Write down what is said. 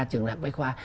trường đạc bách khoa